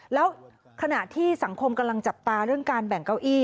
แล้วขณะที่สังคมกำลังจับตาเรื่องการแบ่งเก้าอี้